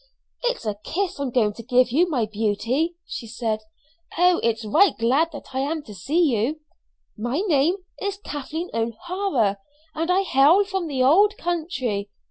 "It's a kiss I'm going to give you, my beauty," she said. "Oh, it's right glad I am to see you! My name is Kathleen O'Hara, and I hail from the ould country.